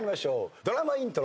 ドラマイントロ。